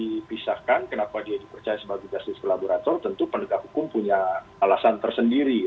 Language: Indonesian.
dipisahkan kenapa dia dipercaya sebagai justice collaborator tentu penegak hukum punya alasan tersendiri